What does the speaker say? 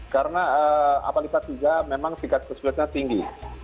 karena apalipas juga memang tinggi